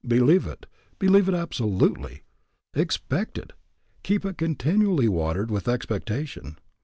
Believe it, believe it absolutely. Expect it, keep it continually watered with expectation.